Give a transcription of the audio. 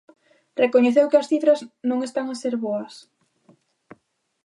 Recoñeceu que as cifras "non están a ser boas".